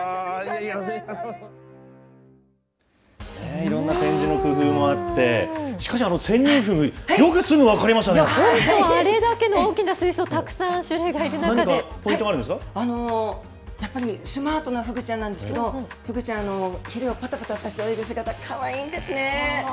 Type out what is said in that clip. いろんな展示の工夫もあって、しかし、センニンフグ、よくすぐ本当、あれだけの大きな水槽、何かポイントがあるんですかやっぱりスマートなフグちゃんなんですけど、フグちゃん、ひれをぱたぱたさせて泳ぐ姿、かわいいんですね。